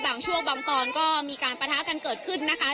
บางช่วงบางตอนก็มีการปะทะกันเกิดขึ้นนะคะ